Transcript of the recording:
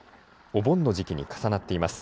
お盆の時期に重なっています。